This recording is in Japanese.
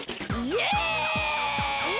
えっ？